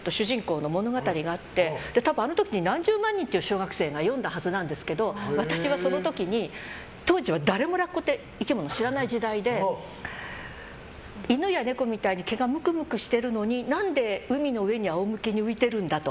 あれでラッコの主人公の物語があって多分、あの時に何十万人という小学生が読んだはずなんですけど私はその時に当時は誰もラッコって生き物を知らない時代で犬や猫みたいに毛がむくむくしているのに何で海の上に仰向けに浮いているんだと。